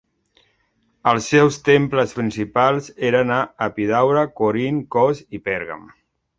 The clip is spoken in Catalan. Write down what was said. Els seus temples principals eren a Epidaure, Corint, Kos i Pèrgam.